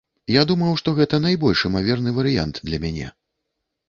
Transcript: Я думаў, што гэта найбольш імаверны варыянт для мяне.